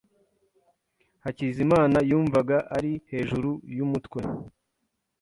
Hakizimana yumvaga ari hejuru yumutwe.